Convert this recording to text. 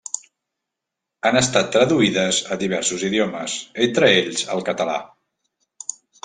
Han estat traduïdes a diversos idiomes, entre ells el català.